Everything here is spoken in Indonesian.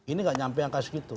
ini nggak nyampe angka segitu